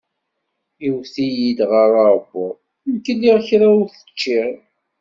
Iwet-iyi-d ɣer uɛebbuḍ, nekk lliɣ kra ur t-ččiɣ.